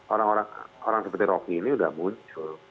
orang orang seperti rocky ini sudah muncul